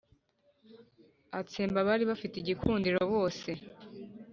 atsemba abari bafite igikundiro bose.